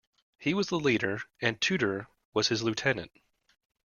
He was the leader, and Tudor was his lieutenant.